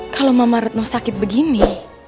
kalau mama retno sakit begini